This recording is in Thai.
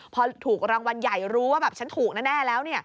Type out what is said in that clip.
พอถูกรางวัลใหญ่รู้ว่าแบบฉันถูกแน่แล้ว